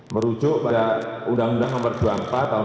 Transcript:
merujuk pada uu no dua puluh empat tahun dua ribu tujuh belas